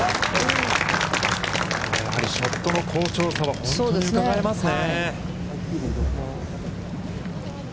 やはりショットの好調さは、本当にうかがえますね。